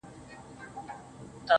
او تاته زما د خپلولو په نيت.